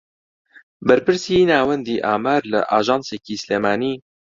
بەرپرسی ناوەندی ئامار لە ئاژانسێکی سلێمانی